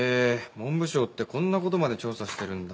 文部省ってこんな事まで調査してるんだ。